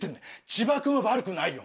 千葉君は悪くないよ。